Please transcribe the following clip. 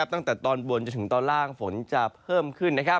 ตั้งแต่ตอนบนจนถึงตอนล่างฝนจะเพิ่มขึ้น